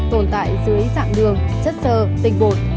tồn tại dưới dạng đường chất sơ tinh bột